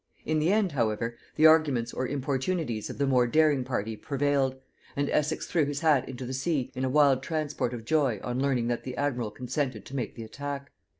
In the end, however, the arguments or importunities of the more daring party prevailed; and Essex threw his hat into the sea in a wild transport of joy on learning that the admiral consented to make the attack.